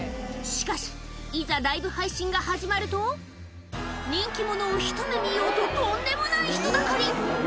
しかしいざライブ配信が始まると人気者をひと目見ようととんでもない人だかり！